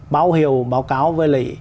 báo hiểu báo cáo với lại